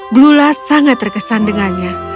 blula sangat terkesan dengannya